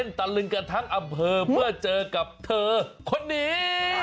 ตะลึงกันทั้งอำเภอเพื่อเจอกับเธอคนนี้